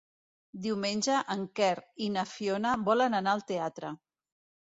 Diumenge en Quer i na Fiona volen anar al teatre.